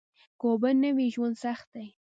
که اوبه نه وي ژوند سخت دي